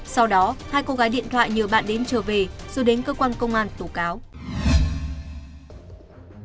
sau đó hai cô gái điện thoại nhờ bạn đến trở về rồi đến cơ quan công an tù cáo